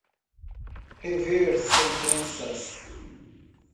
Rever sentenças.